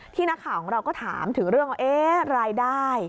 นักข่าวของเราก็ถามถึงเรื่องว่ารายได้